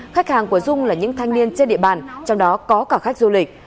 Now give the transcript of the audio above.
khách hàng của dung là những thanh niên trên địa bàn trong đó có cả khách du lịch